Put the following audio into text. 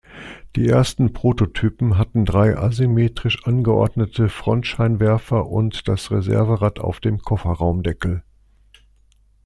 Die ersten Prototypen hatten drei asymmetrisch angeordnete Frontscheinwerfer und das Reserverad auf dem Kofferraumdeckel.